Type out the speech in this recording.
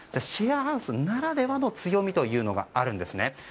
シェアハウスならではの強みというのがあるんですね。